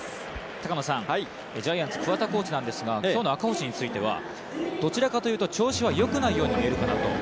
高野さん、ジャイアンツの桑田コーチからなんですが、きょうの赤星については、どちらかというと調子はよくないように見えるかなと。